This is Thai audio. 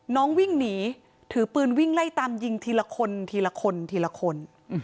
วิ่งหนีถือปืนวิ่งไล่ตามยิงทีละคนทีละคนทีละคน